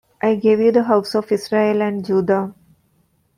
I gave you the house of Israel and Judah.